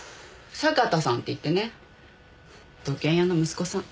酒田さんっていってね土建屋の息子さん。